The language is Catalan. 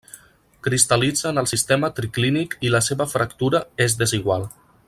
Cristal·litza en el sistema triclínic i la seva fractura és desigual.